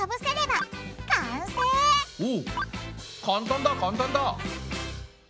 お簡単だ簡単だ！